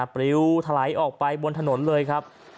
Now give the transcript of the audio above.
เปลี่ยวไถลออกไว้บนถนนเลยครับ